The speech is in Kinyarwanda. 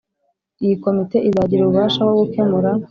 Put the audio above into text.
Iyi Komite izagira ububasha bwo gukemura